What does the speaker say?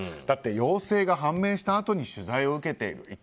だって陽性が判明したあとに取材を受けている。